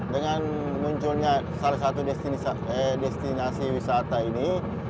dengan munculnya salah satu destinasi wisata ini